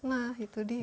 nah itu dia